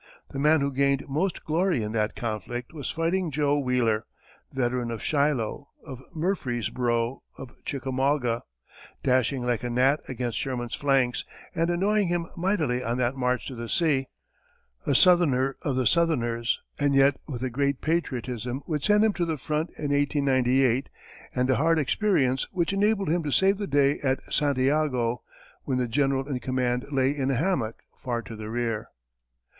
The man who gained most glory in that conflict was "Fighting Joe" Wheeler, veteran of Shiloh, of Murfreesboro, of Chickamauga, dashing like a gnat against Sherman's flanks, and annoying him mightily on that march to the sea; a southerner of the southerners, and yet with a great patriotism which sent him to the front in 1898, and a hard experience which enabled him to save the day at Santiago, when the general in command lay in a hammock far to the rear.